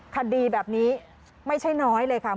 คดีแบบนี้ไม่ใช่น้อยเลยค่ะ